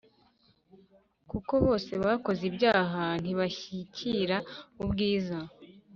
kuko bose bakoze ibyaha ntibashyikira ubwiza